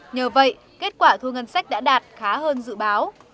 nhờ vậy kết quả thu ngân sách đã đạt khá hơn dự báo